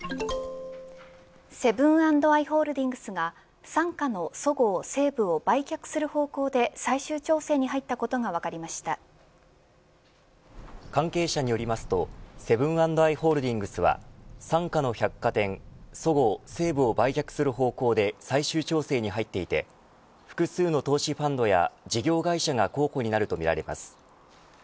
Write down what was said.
セブン＆アイ・ホールディングスが傘下のそごう・西武を売却する方向で最終調整に入ったことが関係者によりますとセブン＆アイ・ホールディングスは傘下の百貨店そごう・西武を売却する方向で最終調整に入っていて複数の投資ファンドや事業会社が候補になるとみられます。